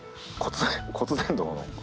骨伝導の。